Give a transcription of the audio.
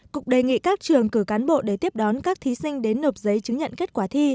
cục đề nghị các trường cử cán bộ để tiếp đón các thí sinh đến nộp giấy chứng nhận kết quả thi